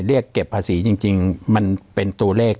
เรียกเก็บภาษีจริงมันเป็นตัวเลข